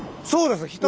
そうです！